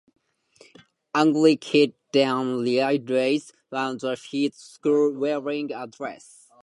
Angry Kid then realizes that he's at school wearing a dress.